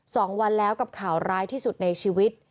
สองวันแล้วกับข่าวร้ายที่สุดในชีวิต